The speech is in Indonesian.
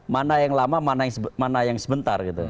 mana yang lama mana yang sebentar gitu